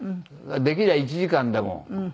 できれば１時間でも。